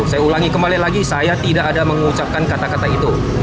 saya ulangi kembali lagi saya tidak ada mengucapkan kata kata itu